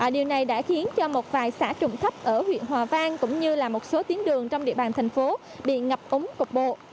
điều này đã khiến cho một vài xã trụng thấp ở huyện hòa vang cũng như là một số tiến đường trong địa bàn thành phố bị ngập ống cục bộ